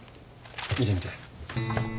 見てみて。